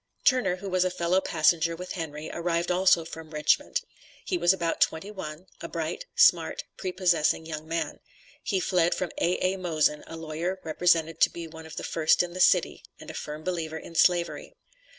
Turner, who was a fellow passenger with Henry, arrived also from Richmond. He was about twenty one, a bright, smart, prepossessing young man. He fled from A.A. Mosen, a lawyer, represented to be one of the first in the city, and a firm believer in Slavery.